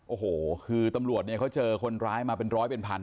โอ้โหคือตำรวจเนี่ยเขาเจอคนร้ายมาเป็นร้อยเป็นพัน